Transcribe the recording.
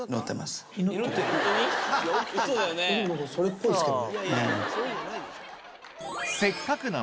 それっぽいですけど。